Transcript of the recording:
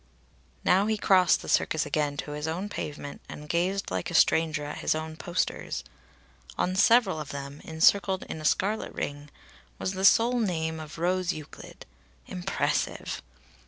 Now he crossed the Circus again to his own pavement and gazed like a stranger at his own posters. On several of them, encircled in a scarlet ring, was the sole name of Rose Euclid impressive!